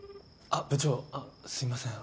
あっ部長あっすいません